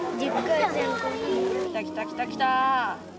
きたきたきたきた。